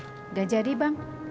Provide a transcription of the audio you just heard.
enggak jadi bang